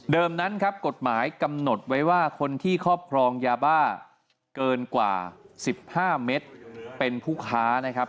เดิมนั้นกฎหมายกำหนดไว้ว่าคนที่ครอบครองยาบ้าเกินกว่า๑๕เมตรเป็นผู้ค้า